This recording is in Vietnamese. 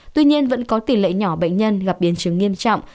tuy nhiên vẫn có tỷ lệ nhỏ bệnh nhân gặp biến chứng nghiêm trọng